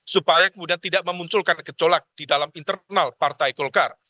supaya kemudian tidak memunculkan gejolak di dalam internal partai golkar